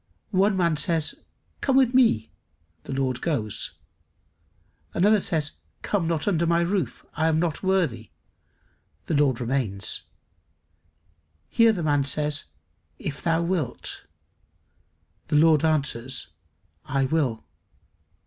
One man says, "Come with me;" the Lord goes. Another says, "Come not under my roof, I am not worthy;" the Lord remains. Here the man says, "If thou wilt;" the Lord answers, "I will."